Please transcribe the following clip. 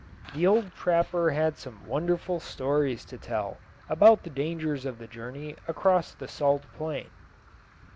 The old trapper had some wonderful stories to tell about the dangers of the journey across the Salt Plain.